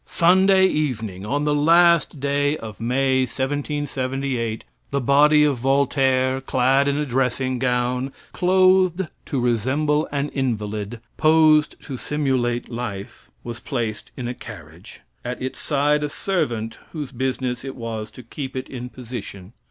Sunday evening, on the last day of May, 1778, the body of Voltaire, clad in a dressing gown, clothed to resemble an invalid, posed to simulate life, was placed in a carriage; at its side a servant, whose business it was to keep it in position.